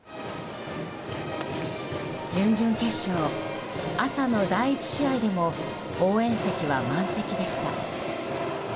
準々決勝、朝の第１試合でも応援席は満席でした。